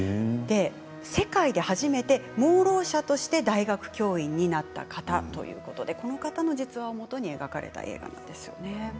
世界で初めて盲ろう者として大学教員になった方ということでこの方の実話をもとに描かれた映画ですね。